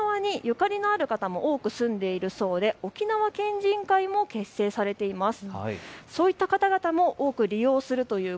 この辺りは沖縄にゆかりのある方も多く住んでいるそうで沖縄県人会も結成されています。